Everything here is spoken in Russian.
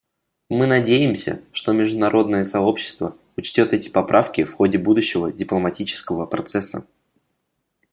Мы надеемся, что международное сообщество учтет эти поправки в ходе будущего дипломатического процесса.